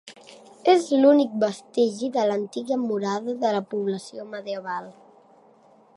És l'únic vestigi de l'antiga murada de la població medieval.